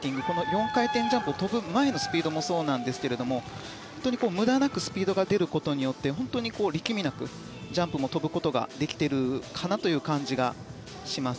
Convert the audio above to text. ４回転ジャンプを跳ぶ前のスピードもそうですけどむだなくスピードが出ることによって本当に力みなく、ジャンプも跳ぶことができている感じです。